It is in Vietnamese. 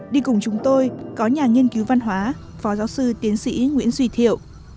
đi cùng chúng tôi có nhà nghiên cứu văn hóa phó giáo sư tiến sĩ nguyễn duy thiệu